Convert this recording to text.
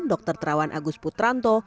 dr terawan agus putranto